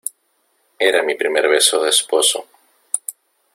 era mi primer beso de esposo.